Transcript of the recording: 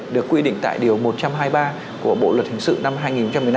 được quy định tại điều một trăm hai mươi ba của bộ luật hình sự năm hai nghìn một mươi năm